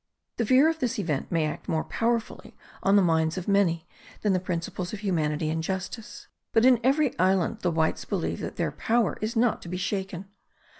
The fear of this event may act more powerfully on the minds of many, than the principles of humanity and justice; but in every island the whites believe that their power is not to be shaken.